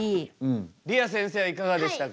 りあせんせいはいかがでしたか？